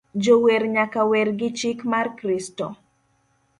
Jower nyaka wer gi chik mar Kristo